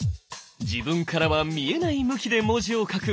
自分からは見えない向きで文字を書く